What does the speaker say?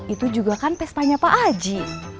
itu juga kan pestanya pak aji